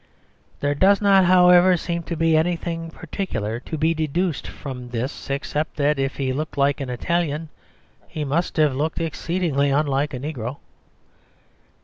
There does not, however, seem to be anything particular to be deduced from this, except that if he looked like an Italian, he must have looked exceedingly unlike a negro.